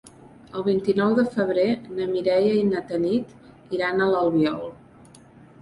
El vint-i-nou de febrer na Mireia i na Tanit iran a l'Albiol.